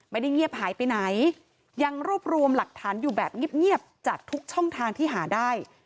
ไม่ได้เงียบหายไปไหนยังรวบรวมหลักฐานอยู่แบบเงียบจากทุกช่องทางที่หาได้